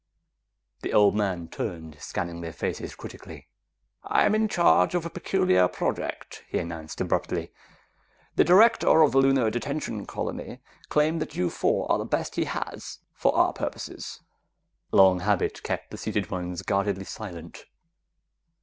The old man turned, scanning their faces critically. "I am in charge of a peculiar project," he announced abruptly. "The director of the Lunar Detention Colony claims that you four are the best he has for our purposes!" Long habit kept the seated ones guardedly silent.